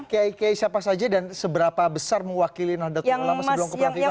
kiai kiai siapa saja dan seberapa besar mewakili nalda tunggulama sebelum keperhatiannya